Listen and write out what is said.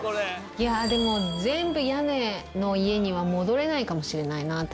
いやでも全部屋根の家には戻れないかもしれないな私。